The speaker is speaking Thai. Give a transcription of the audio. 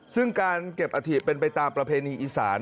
ซึ่งการเก็บอาถิเป็นไปตามประเพณีอีสาน